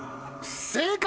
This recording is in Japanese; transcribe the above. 正解！